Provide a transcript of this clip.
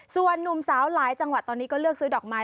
ส่วนนุ่มสาวหลายจังหวัดตอนนี้ก็เลือกซื้อดอกไม้